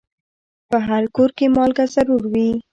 په هر کور کې مالګه ضرور وي.